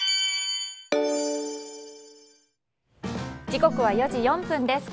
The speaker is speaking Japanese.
時刻は４時４分です。